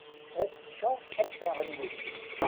Ad ččeɣ abbaɣ-nwent.